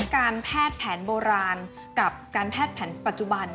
การแพทย์แผนโบราณกับการแพทย์แผนปัจจุบัน